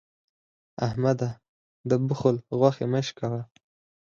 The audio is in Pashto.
احمده! د خبل غوښې مه شکوه.